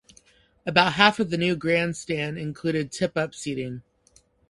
About half of the new grandstand included tip up seating.